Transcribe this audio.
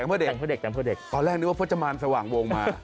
แรกนึกว่าเพราะจะมารสว่างวงมา